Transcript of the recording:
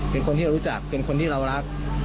เป็นคนที่เรารู้จักเป็นคนที่เรารัก